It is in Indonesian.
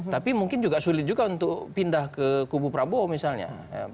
tapi mungkin juga sulit juga untuk pindah ke kubu prabowo misalnya